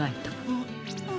あっ。